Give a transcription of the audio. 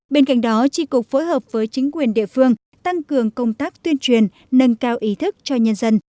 bên cạnh đó tri cục phối hợp với chính quyền địa phương tăng cường công tác tuyên truyền nâng cao ý thức cho nhân dân